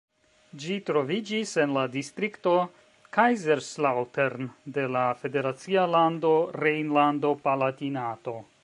Ĝi troviĝis en la distrikto Kaiserslautern de la federacia lando Rejnlando-Palatinato.